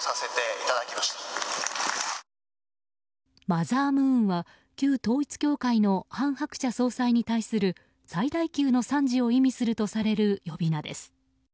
マザームーンは旧統一教会の韓鶴子総裁に対する最大級の賛辞を意味するとされる呼び名です。